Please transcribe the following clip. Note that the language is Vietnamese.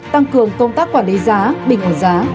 tăng cường công tác quản lý giá bình ổn giá